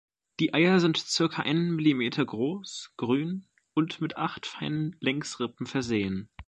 Die Eier sind circa einen Millimeter groß, grün und mit acht feinen Längsrippen versehen.